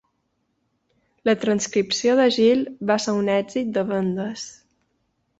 La transcripció de Gil va ser un èxit de vendes.